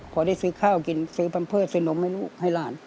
พอได้ซื้อข้าวกินซื้อปัมเพิศซื้อนมะนุให้หลาน